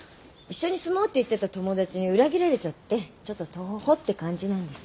一緒に住もうって言ってた友達に裏切られちゃってちょっととほほって感じなんですよ。